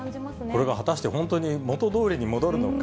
これが果たして本当に元どおりに戻るのか。